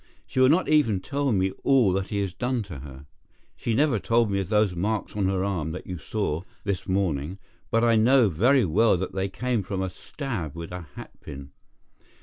She will not even tell me all that he has done to her. She never told me of those marks on her arm that you saw this morning, but I know very well that they come from a stab with a hatpin.